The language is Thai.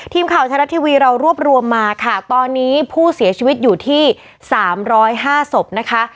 ทีมข่าวไทยรัฐทีวีเรารวบรวมมาค่ะตอนนี้ผู้เสียชีวิตอยู่ที่๓๐๕ศพนะคะ